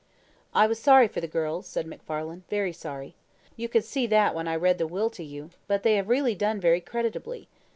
"I was sorry for the girls," said MacFarlane, "very sorry. You could see that when I read the will to you; but they have really done very creditably.